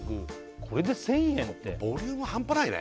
これで１０００円ってボリューム半端ないね